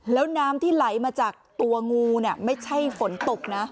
แล้วน้ำที่ไหลมาจากตัวงูไม่ใช่ฝนตกนะ